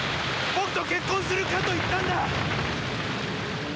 僕と結婚するかと言ったんだ！